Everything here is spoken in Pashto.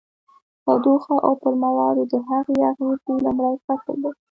تودوخه او پر موادو د هغې اغیزې لومړی فصل دی.